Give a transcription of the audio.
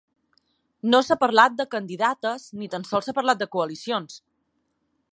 No s’ha parlat de candidates, ni tan sols s’ha parlat de coalicions.